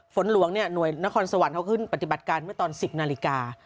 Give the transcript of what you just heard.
ฝนหลวงหน่วยนครสวรรค์เขาขึ้นปฏิบัติการเมื่อตอน๑๐นาฬิกา